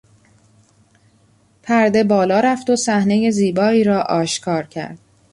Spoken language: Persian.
پرده بالا رفت و صحنهی زیبایی را آشکار کرد.